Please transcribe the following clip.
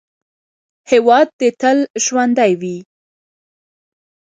هیواد دې تل ژوندی وي.